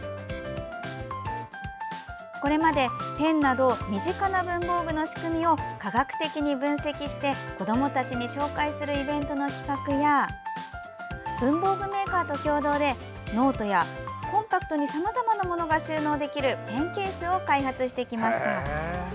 これまで、ペンなど身近な文房具の仕組みを科学的に分析して子どもたちに紹介するイベントの企画や文具メーカーと共同でノートやコンパクトにさまざまなものが収納できるペンケースを開発してきました。